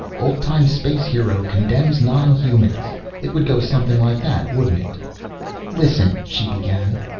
'Oldtime space hero condemns non humans' it would go something like that, wouldn't it?" "Listen ," she began.